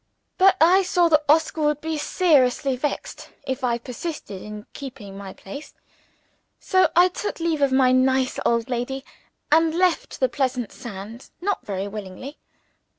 But I saw that Oscar would be seriously vexed if I persisted in keeping my place. So I took leave of my nice old lady, and left the pleasant sands not very willingly.